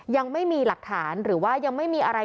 ยังไม่มีหลักฐานหรือว่ายังไม่มีอะไร